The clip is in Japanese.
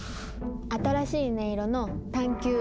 新しい音色の探求！